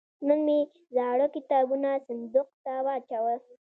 نن مې زاړه کتابونه صندوق ته واچول.